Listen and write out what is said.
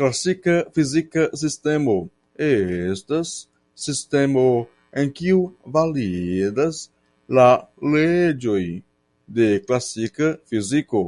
Klasika fizika sistemo estas sistemo en kiu validas la leĝoj de klasika fiziko.